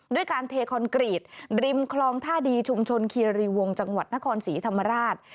ด้วยการเทคอนกรีตริมคลองท่าดีชุมชนเคียรีวงจังหวัดนครศรีธรรมราช